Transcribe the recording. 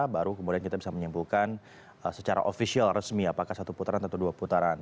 baru kemudian kita bisa menyimpulkan secara ofisial resmi apakah satu putaran atau dua putaran